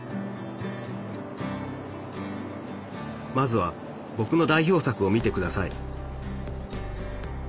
まずはぼくの代表作を見てください